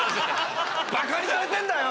バカにされてんだよ！